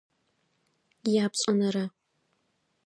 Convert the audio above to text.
Япшӏэнэрэ.